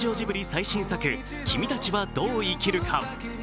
最新作「君たちはどう生きるか」。